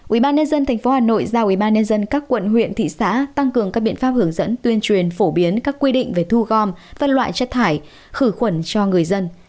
ubnd tp hà nội giao ubnd các quận huyện thị xã tăng cường các biện pháp hướng dẫn tuyên truyền phổ biến các quy định về thu gom phân loại chất thải khử khuẩn cho người dân